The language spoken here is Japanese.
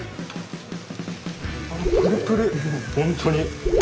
本当に。